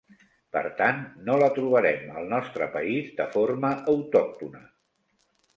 Per tant, no la trobarem al nostre país de forma autòctona.